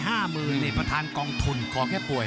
นี่ประธานกองทุนขอแค่ป่วย